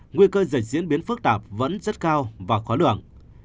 nguy cơ dịch diễn biến phức tạp vẫn rất cao và khó lường